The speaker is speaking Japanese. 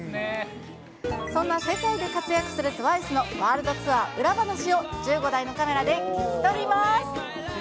そんな世界で活躍するＴＷＩＣＥのワールドツアー裏話を１５台のカメラで聞き撮ります。